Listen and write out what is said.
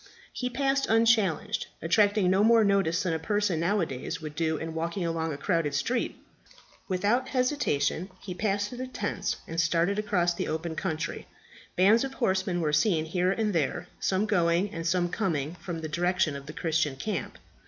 He passed unchallenged, attracting no more notice than a person now a days would do in walking along a crowded street. Without hesitation he passed through the tents and started across the open country. Bands of horsemen were seen here and there, some going, and some coming from the direction of the Christian camp.